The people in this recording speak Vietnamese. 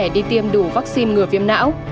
để đi tiêm đủ vaccine ngừa viêm não